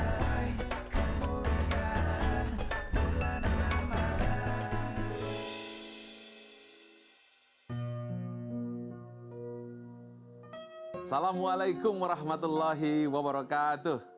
assalamualaikum warahmatullahi wabarakatuh